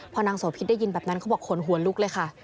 พอนางโสพิษได้ยินแบบนั้นเขาบอกขนหัวลุกเลยค่ะ